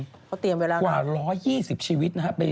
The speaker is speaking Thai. สวายนรกประมาณ๑๒๐ชีวิต